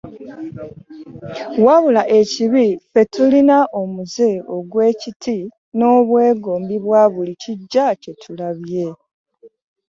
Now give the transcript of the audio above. Wabula ekibi ffe tulina omuze ogw'ekiti n'obwegombi bwa buli kiggya kye tulabye.